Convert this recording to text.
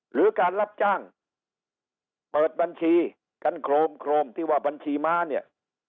หรือการรับจ้างเปิดบัญชีกันโครมโครมที่ว่าบัญชีม้าเนี่ย